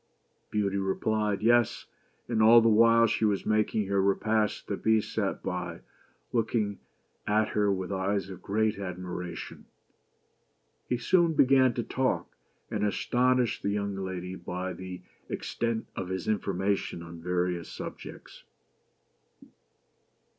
Beauty replied "Yes," and all the while she was making her repast the Beast sat by, looking at her with eyes of great ad miration. He soon began to talk, and astonished the young lady by the extent of his information on various subjects.